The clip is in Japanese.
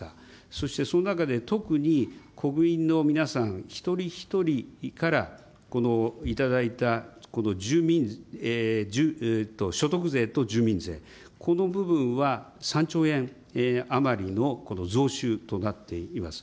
そしてその中で、特に国民の皆さん一人一人から頂いた所得税と住民税、この部分は３兆円余りの増収となっています。